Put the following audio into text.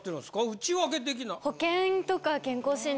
内訳的な。